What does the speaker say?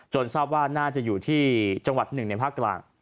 ทราบว่าน่าจะอยู่ที่จังหวัดหนึ่งในภาคกลาง